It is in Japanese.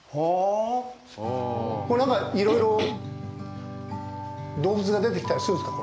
これなんか、いろいろ動物が出てきたりするんですか？